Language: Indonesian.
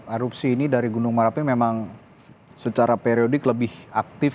erupsi ini dari gunung merapi memang secara periodik lebih aktif